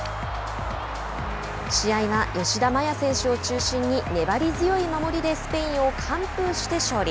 試合は吉田麻也選手を中心に粘り強い守りでスペインを完封して勝利。